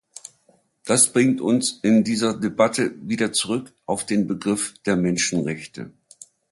Das bringt uns in dieser Debatte wieder zurück auf den Begriff der Menschenrechte.